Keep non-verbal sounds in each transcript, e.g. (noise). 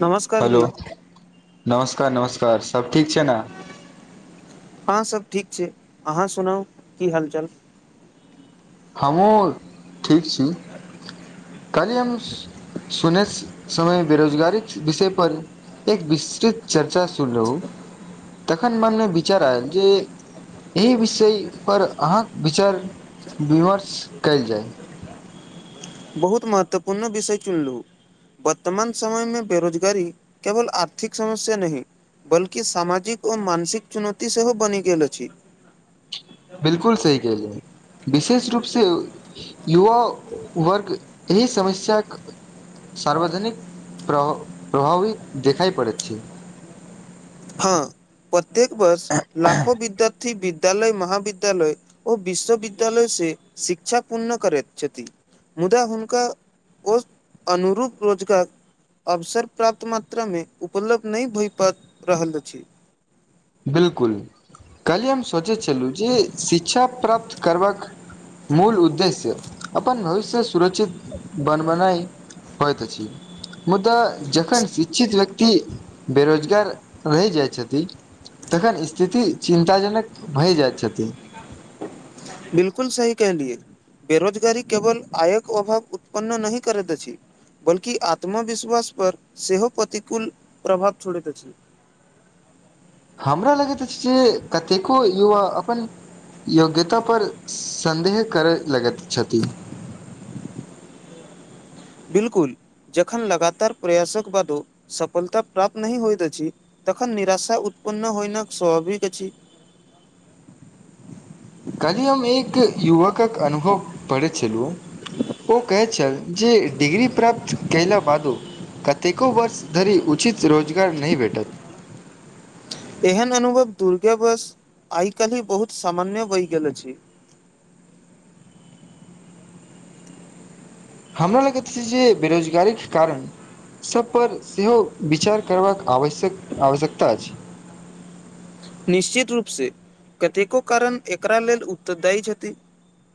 नमस्कार हेलो जी नमस्कार स्कार नमस्कार सब ठीक छै ने हँ सभ ठीक छै अहाँ सुनाउ की हालचाल हमहुँ ठीक छी कलियमस सुनय समय बेरोजगारी विषय पर एक विस्तृत चर्चा सुन रहु तखन मनमे विचार आयल जे एहि विषय पर अहाँ विचार विमर्श कायल जाय बहुत महत्वपूर्ण विषय चुनलुहु वर्तमान समय मे बेरोजगारी केवल आर्थिक समस्या नही बल्कि सामाजिक और मानसिक चुनौती सेहो बनि गेल अछि बिलकुल सही कहलियै विशेष रूप सँ युवा वर्ग एहि समस्याक सार्वाधनिक प्र प्रभावी देखैय पड़े छी हँ प्रत्येक वर्ष लाखो विद्यार्थी वि विद्यालय महाविद्यालय ओ विश्वविद्यालय से शिक्षा पूर्ण करैत छथि मुदा हुनका ओ अनुरूप रोजगार अवसर प्राप्त मात्रामे उपलब्ध नय भय पा रहल अछि बिलकुल काल्हि हम सोचैत छलहुँ जे शिक्षा प्राप्त करबाक मूल उद्देश्य अपन भविष्य सुरक्षित बन बनाय होय तऽ छी मुदाऽ जखन शिक्षित व्यक्ति बेरोजगार रहि जाइ छथिन तखन स्थिति चिन्ताजनक भए जाइत छथि बिलकुल सही कलियऐ बेरोजगी केवल आयक अभाव उत्पन्न नहि करैत अछि बल्कि आत्मविश्वास पर सेहो प्रतिकूल प्रभाव छोड़ैत अछि (inaudible) हमरा लगैत अछि जे कतेको युवा अपन योग्यता पर सन्देह करय लगैत छथि बिलकुल जखन लगातार प्रयासक बादो सफलता प्राप्त नहि होयत अछि तखन निराशा पन्न होइ न स्वाभाविक छी (inaudible) काली हम एक युवकक अनुभव पढ़ैत छलहुँ ओ कहै छै जे डिग्री प्राप्त कैला बादो कतेको वर्ष धरि उचित रोजगार नय भेटत एहन अनुभव दुर्गावश आइ काल्ही बहुत सामान्य भयि गेल अछि (inaudible) हमरा लगैत छै जे बेरोजगारी के कारण सब पर सेहो विचार करबाक आवश्यक आवश्यकता छै निश्चित रूप से कतेको कारण एकरा लेल उत्तरदायी छथि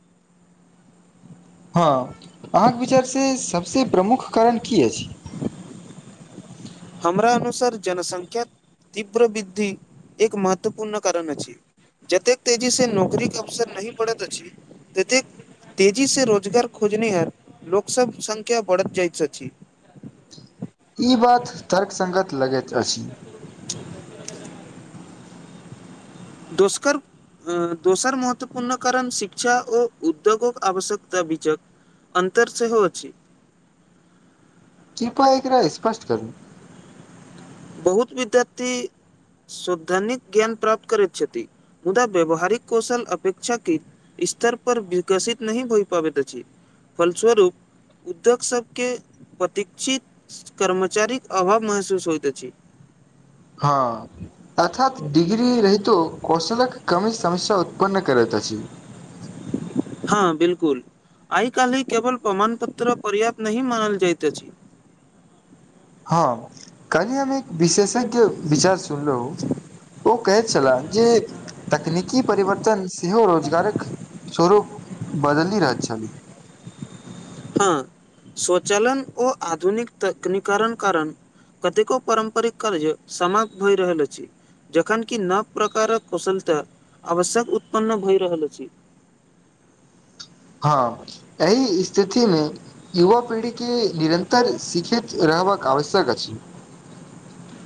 (inaudible) हँ अहाँक विचारसे सभसे प्रमुख कारण की अछि हमरा अनुसार जनसंख्या तीव्र वृद्धि एक महत्वपूर्ण कारण अछि जतेक तेजी से नौकरीके अवसर नहि पड़ैत अछि ततेक तेजी से रोजगार खोजनिहार लोकसब संख्या बढ़ जाइत अछि ई बात तर्क संगत लगैत अछि (inaudible) दोष्कर अ दोसर महत्वपूर्ण कारण शिक्षा ओ उद्योगक आवश्यकता बीचक अन्तर सेहो अछि किपा एकरा स्पष्ट करू बहुत विद्यार्थी सौद्धाानिक ज्ञान प्राप्त करैत छथि मुदा व्यवहारिक कौशल अपेक्षा के स्तर पर विकसित नहि होय पाबैत छै फलस्वरूप उद्योग सब के प्रतिक्षित कर्मचारीक अभाव महसूस होइत अछि हँ अर्थात डिग्री रहितो कौशलक कमी समस्या उत्पन्न करत अछि हँ बिलकुल आइ काल्हि केवल प्रमाण पत्र पर्याप्त नहि मानल जाइत अछि हँ कनी हम एक विशेषज्ञ विचार सुनलहुं ओ कहैत छलाह जे तकनीकी परिवर्तन सेहो रोजगारक स्वरूप बदलि रहैत छलै हँ स्वचालन ओ आधुनिक तकनीकरण कारण कतेको पारम्परिक कार्य समाप्त होइ रहल अछि जखन कि नव प्रकारक कुशलता आवश्यक उत्पन्न भए रहल अछि (inaudible) हँ एहि स्थिति मे युवा पीढ़ी के निरंतर शिक्षित रहबाक आवश्यक अछि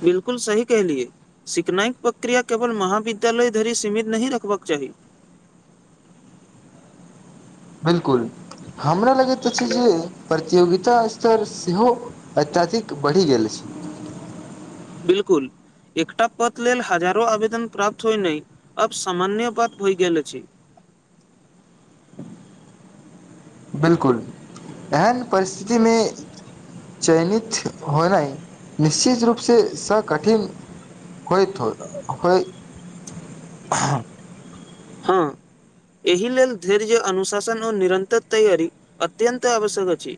बिलकुल सही कहलियए सिखनाइक प्रक्रिया केवल महाविद्यालय धरि सीमित नहि रखबाक चाही (inaudible) बिलकुल हमरा लगैत अछि जे प्रतियोगिता स्तर सेहो अत्यधिक बढ़ि गेल छी बिलकुल एकटा पद लेल हजारो आवेदन प्राप्त होइ नहि अब सामान्य बात होय गेल छै बिलकुल एहन परिस्थितिमे चयनित होनाय निश्चित रूपसँ सकठिन होयत होय होय हँ एहि लेल धैर्य अनुशासन आओर निरन्तर तैयारी अत्यन्त आवश्यक अछि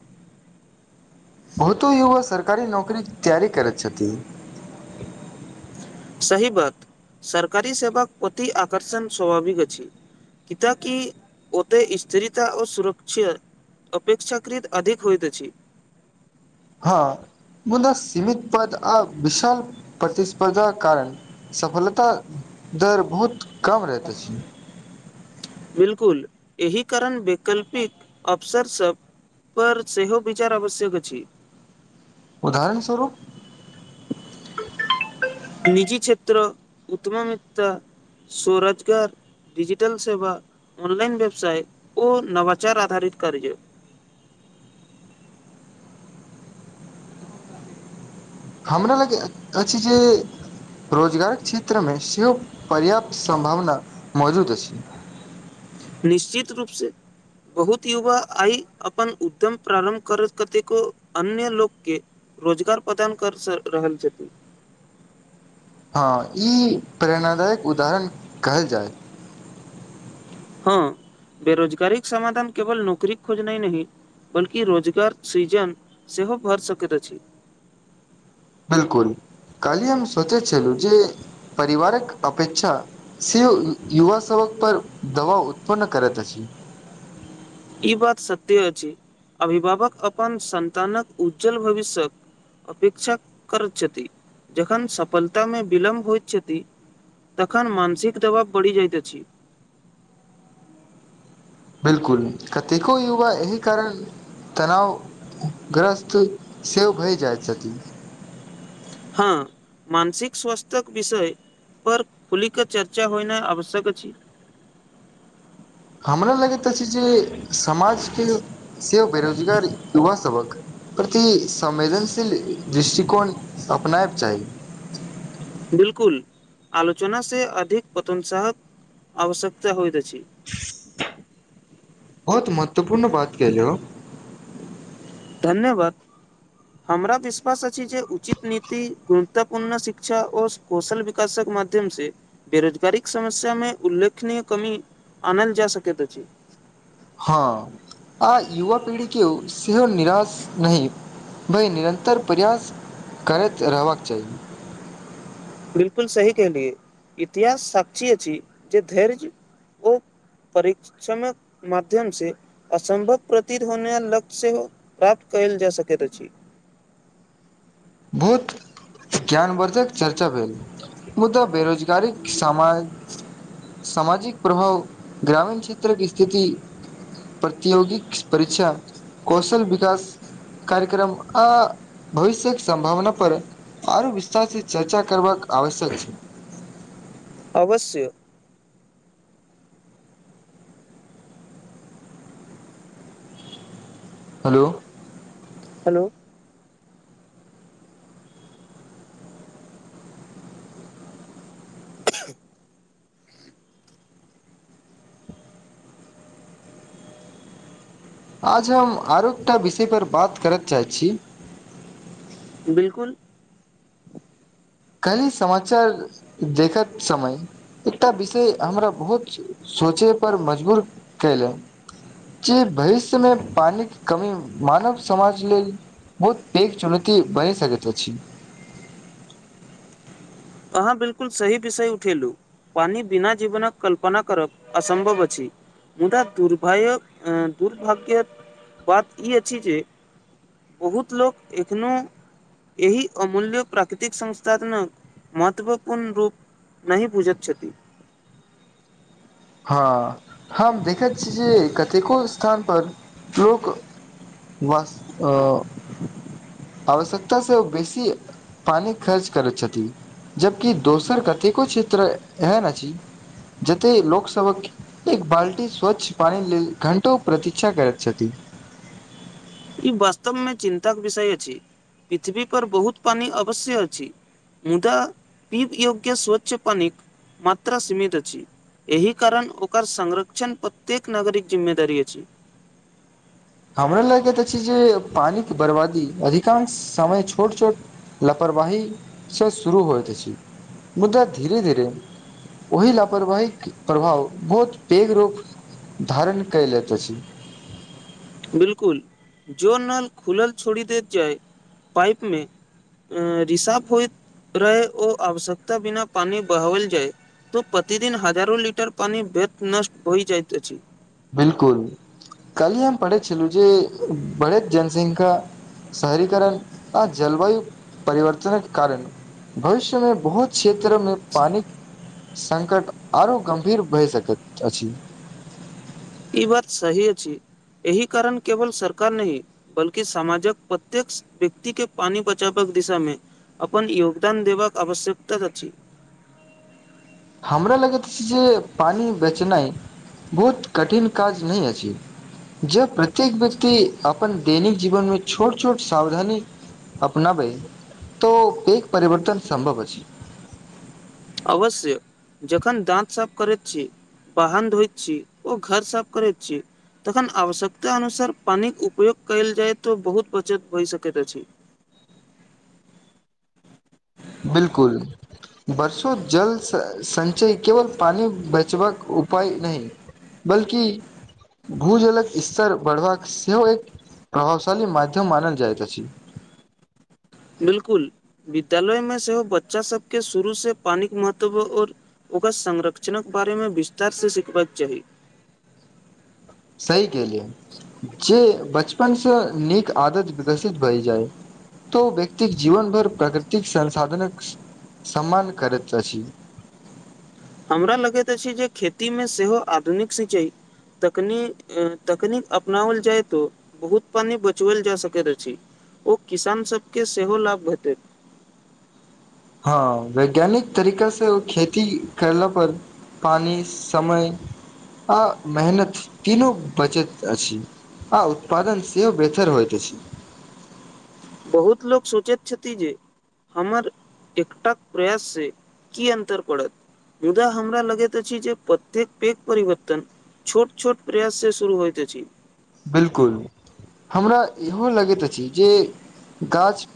(inaudible) बहुतो युवक सरकारी नौकरी तैयारी करैत छथि सही बात सरकारी सेवाक कति आकर्षण स्वाभाविक अछि किताकि ओते स्थिरता आर सुरक्षा अपेक्षाकृत अधिक होइत छी हँ मुदा सीमित पद आ विशाल प्रतिस्पर्धा कारण सफलता दर बहुत कम रहते छ बिलकुल एहि कारण वैकल्पिक अवसर सब पर सेहो विचार आवश्यक अछि उदरण स्वरूप निजी क्षेत्र उद्यमिता स्वरोजगार डिजिटल सेवा ऑनलाइन व्यवसाय ओ नवाचार आधारित कार्य (inaudible) हमरा लग अछि जे रोजगारक क्षेत्र मे सेहो पर्याप्त सम्भावना मौजूद अछि (inaudible) निश्चित रूपसँ बहुत युवा आइ अपन उद्यम प्रारम्भ कर कतेको अन्य लोकके रोजगार प्रदान कर रहल छथि हँ ई प्रेरणादायक उदाहरण कहल जाय हँ बेरोजगारी समधान केवल नौकरी खोज नहि नहि बल्कि रोजगार सृजन सेहो भए सकैत अछि बिलकुल कलहि हम सोचैत छलहुँ जे परिवारक अपेक्षा से युवा सभक पर दबाब उत्पन्न करैत अछि ई बात सत्य अछि अभिभावक अपन संन्तानक उज्ज्वल भविष्य्यक अपेक्षा कर छथि जखन सफलतामे विलम्ब होइत छथि तखन मानसिक दबाव बढ़ि जायत अछि बिलकुल कतेको युवा एहिह कारण तनाव ग्रस्त सेहो भए जाइत छथि हँ मानसिक स्वस्थ्य विषय पर खुलिक चर्चा होइ नहि आवश्यक अछि (inaudible) हमरा लगैत अछि जे समाजके से बेरोजगार युवा सभक प्रति संवेदनशील दृष्टिकोण अपनायब चाही बिलकुल आलोचना से अधिक पतंसहक आवश्यकता होइत अछि ी बहुत महत्वपूर्ण बात केलहु धन्यवाद हमरा विश्वास अछि जे उचित नीति गुनतापूर्ण शिक्षा आओर कौशल विकासक माध्यम से बेरोजगारी समस्या मे उल्लेखनीय कमी अनैल जा सकैत अछि हँ आ युव पीढ़ी के सेहो निराश नए भइ निरन्तर प्रयास करैत रहबाक चाही बिलकुल सही कहलियए इतिहास साक्षी अछि जे धैर्य ओ परिक्षणक माध्यम से असम्भव प्रतीत होने लक्ष्य सेहो प्राप्त कयल जा सकैत अछि (inaudible) बहुत ज्ञानवर्धक चर्चा भेल मुद्दा बेरोजगारी सम सामाजिक प्रभाव ग्रामीण क्षेत्रके स्थिति प्रतियोगिक परीक्षा कौशल विकास कार्यक्रम आ भविष्यक संभावना पर आओर विस्तार से चर्चा करबाक आवश्यक छै अवश्य हेलो हेलो ऐंहे (inaudible) आज हम आरो एक टा विषय पर बात करय चाहैत छी बिलकुल कल समाचार देखैत समय एकटा विषय हमरा बहुत सोचय पर मजबूर कयलनि की भविष्यमे पानिक कमी मानव समाज लेल बहुत पैघ चुनौती भय सकैत अछि अहाँ बिलकुल सही विषय उठेलू पनी बिना जीवनक कल्पना करब असम्भव अछि मुदा दुर्भायक दुर्भाग्यक बात ई अछि जे बहुत लोक एखनो एहि अमूल्य प्राकृतिक संस्थातनक महत्वपूर्ण रूप नहि बुझैत छथि हँ हम देखैत छी जे कतेको स्थान पर लोक बस अ आवश्यकता से ओ बेसी पानि खर्च करैत छथि जबकि दोसर कतेको क्षेत्र एहन अछि जतय लोक सवक एक बाल्टी स्वच्छ पान लेल घंटो प्रतिक्षा करैत छथि (inaudible) ई वास्तवमे चिन्ताक विषय अछि पृथ्वी पर बहुत पानी अवश्य अछि मुदा पीव योग्य स्वच्छ पानिक मात्रा सीमित अछि एहि कारण ओकर संरक्षण प्रत्येक नागरिक जिम्मेदारी अछि (inaudible) हमरा लागैत अछि जे पानिक बर्बादी अधिकांश समय छोट छोट लपर परवाही से शुरू होइत अछि मुदा धीरे धीरे ओहि लापरवाहीक प्रभाव बहुत पैघ रूप धारण कैलत अछि बिलकुल जो नल खुलल छोड़ी देत जाय पाइप मे अ रिसाभ होइत रहै ओ आवश्यकता बिना पान बहाओल जाए तऽ प्रतिदिन हजारो लीटर पानी व्यर्थ नष्ट होइ जाइत अछि बिलकुल काल्हि हम पढ़ैत छलहुँ जे बढ़ैत जनसंख्या शहरीकरण आ जलवायु परिवर्तनक कारण भविष्यमे बहुत क्षेत्रमे पानी संकट आरो ई बात सही अछि एहि कारण केवल सरकार नहि बल्कि समाजक प्रत्येक व्यक्ति के पानी बचावक दिशामे अपन योगदान देबाक आवश्यकता अछि हमरा लगैत अछि जे पानि बचेनाइ बहुत कठिन काज नहि अछि जब प्रत्येक व्यक्ति अपन दैनिक जीवन मे छोट छोट सावधानी अपनाबै तऽ एक परिवर्तन संभव अछि अवश्य जखन दाँत साफ करैत छी बाहन धोइत छी ओ घर साफ करैत छी तखन आवश्यकता अनुसार पानिक उपयोग कयल जाय तऽ बहुत बचत भए सकैत अछि (inaudible) बिलकुल वर्षों जल संचय केवल पानी बचबाक उप उपाय नहि बल्कि भूजलक स्तर बढ़बाक सेहो एक प्रभावशाली मध्यम मानल जाइत अछि बिलकुल विद्यालय मे सेहो बच्चा सबके शुरू से पानिक महत्व आऔर ओकर संरक्षणक बारे मे विस्तार सँ सिखबाक चाही सही कहलिए जे बचपन से नीक आदत विकसित भए जाय तो व्यक्तिक जीवन भरि प्रकृतिक संसाधनक सम्मान करैत अछि हमरा लगैत अछि जे खेतीमे सेहो आधुनिक सिंचाई तकनी तकनीक अपनाओल जाय तो बहुत पानी बचवल जा सकैत अछि ओ किसान सबके सेहो लाभ भेटैत हँ वैज्ञानिक तरीका से खेती करला पर पानि समय आ मेहनत तीनो बचत अछि आ उत्पादन से बेहतर होइत अछि बहुत लोक सोचैत छथि जे हमर एकटाक प्रयास सँ की अन्तर पड़त मुदा हमरा लगैत अछि जे प्रत्येक पैघ परिवर्तन छोट छोट प्रयास से शुरू होइत अछि बिलकुल हमरा ई हो लगैत अछि जे गाछ